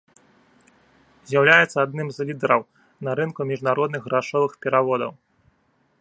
З'яўляецца адным з лідараў на рынку міжнародных грашовых пераводаў.